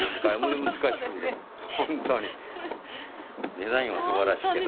デザインは素晴らしいけど。